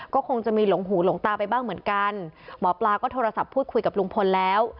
ก็คงจะมีหลงหูหลงตาไปบ้างเหมือนกันหมอปลาก็โทรศัพท์พูดคุยกับลุงพลแล้ว